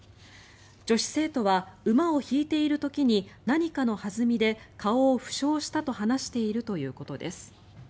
女子生徒は、馬を引いている時に何かの弾みで顔を負傷したと話しているということです。